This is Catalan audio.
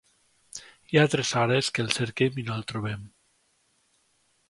Hi ha tres hores que el cerquem i no el trobem.